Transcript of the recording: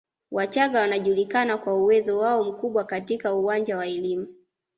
Wachaga wanajulikana kwa uwezo wao mkubwa katika uwanja wa elimu